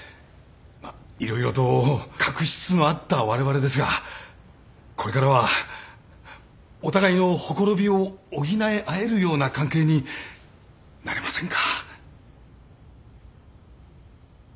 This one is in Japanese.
まあ色々と確執のあったわれわれですがこれからはお互いのほころびを補い合えるような関係になれませんか？